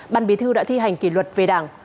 ban bí thư đã thi hành kỷ luật về đảng